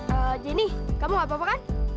eee jenny kamu gak apa apa kan